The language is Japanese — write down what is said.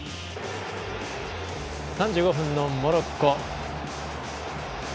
３４分のモロッコ。